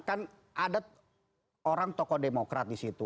kan ada orang tokoh demokrat di situ